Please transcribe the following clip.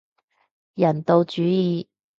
人道主義